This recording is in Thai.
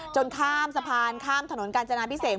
ข้ามสะพานข้ามถนนกาญจนาพิเศษ